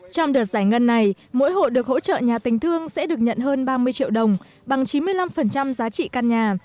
trong đợt giải ngân này mỗi hộ được hỗ trợ nhà tình thương sẽ được nhận hơn ba mươi triệu đồng bằng chín mươi năm giá trị căn nhà